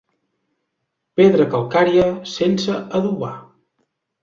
Pedra calcària sense adobar.